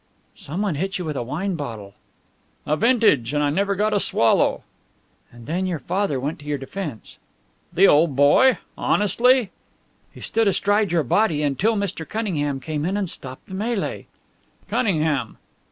"Someone hit you with a wine bottle." "A vintage and I never got a swallow!" "And then your father went to your defense." "The old boy? Honestly?" "He stood astride your body until Mr. Cunningham came in and stopped the mêlée." "Cunningham!